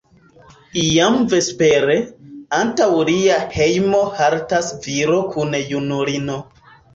Iam vespere, antaŭ lia hejmo haltas viro kun junulino.